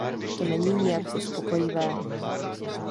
To není nijak uspokojivé.